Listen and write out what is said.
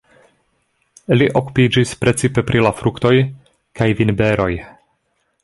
Li okupiĝis precipe pri la fruktoj kaj vinberoj.